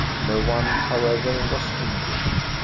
No one, however, was injured.